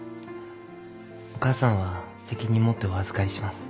お母さんは責任持ってお預かりします。